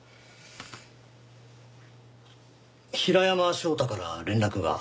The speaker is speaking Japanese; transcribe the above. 平山翔太から連絡が。